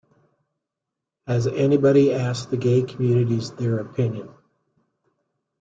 Has anybody asked the gay communities their opinion?